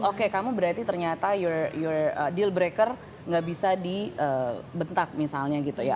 oke kamu berarti ternyata your deal breaker gak bisa di bentak misalnya gitu ya